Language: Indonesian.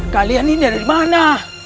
kalian ini dari mana